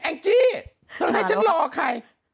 แอ้งจี้ให้ฉันรอใคร